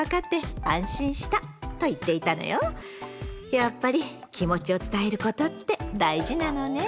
やっぱり気持ちを伝えることって大事なのね。